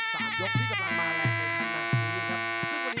และแพ้๒๐ไฟ